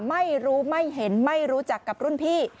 ไม่รู้ไม่เห็นไม่รู้จักกับรุ่นพี่